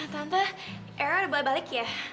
tante ero udah boleh balik ya